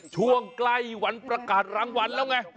ช่วงใกล้วันประกาศรางวัลแล้วไง